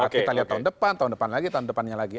kita lihat tahun depan tahun depan lagi tahun depannya lagi